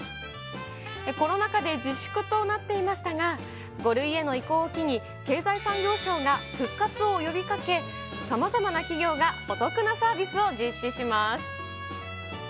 コロナ禍で自粛となっていましたが、５類への移行を機に、経済産業省が復活を呼びかけ、さまざまな企業がお得なサービスを実施します。